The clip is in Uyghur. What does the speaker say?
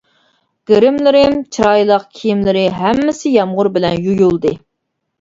گىرىملىرىم، چىرايلىق كىيىملىرى ھەممىسى يامغۇر بىلەن يۇيۇلدى.